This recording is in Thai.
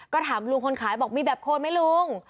ก็ถามลุงคนขายบอกมีแบบโคนไหมลุง